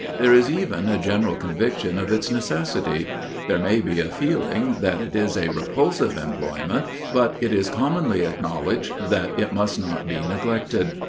There is even a general conviction of its necessity; there may be a feeling that it is a repulsive employment, but it is commonly acknowledged that it must not be neglected.